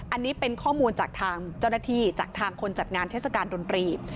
อันนี้เป็นข้อมูลจากทางเจ้าหน้าที่จากทางคนจัดงานเทศกาลดนตรี